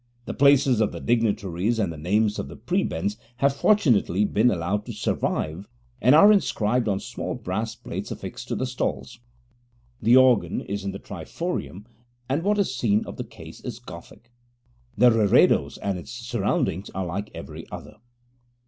The places of the dignitaries and the names of the prebends have fortunately been allowed to survive, and are inscribed on small brass plates affixed to the stalls. The organ is in the triforium, and what is seen of the case is Gothic. The reredos and its surroundings are like every other.